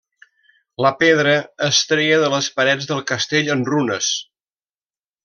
La pedra es treia de les parets del castell, en runes.